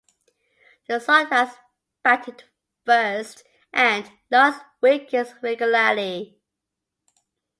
The Saltires batted first and lost wickets regularly.